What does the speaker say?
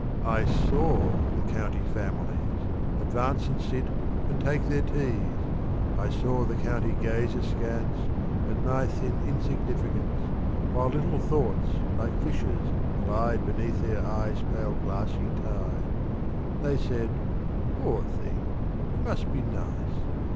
I saw the County Families Advance, and sit, and take their teas : I saw the County gaze askance At my thin insignificance, While little thoughts like fishes glide Beneath their eyes' pale glassy tide : They said :' Poor thing ! we must be nice